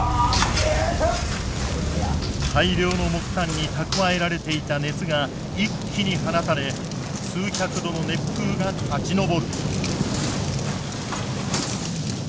大量の木炭に蓄えられていた熱が一気に放たれ数百度の熱風が立ち上る。